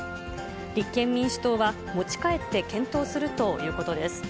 立憲民主党は、持ち帰って検討するということです。